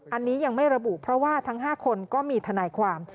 อันนี้ยังไม่ระบุเพราะว่าทั้ง๕คนก็มีทนายความ